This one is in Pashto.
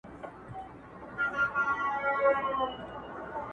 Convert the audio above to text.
سلام ئې ووايه وروسته کښينستی.